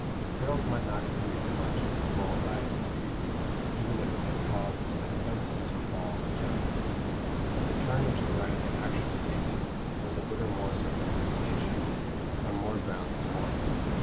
Harold might not have grieved much at a small riot in Treby, even if it had caused some expenses to fall on the county; but the turn which the riot had actually taken was a bitter morsel for rumination, on more grounds than one.